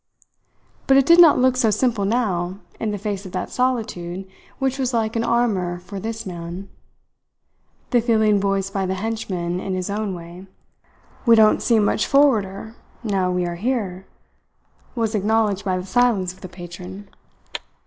But it did not look so simple now in the face of that solitude which was like an armour for this man. The feeling voiced by the henchman in his own way "We don't seem much forwarder now we are here" was acknowledged by the silence of the patron.